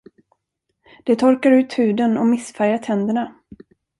Det torkar ut huden och missfärgar tänderna.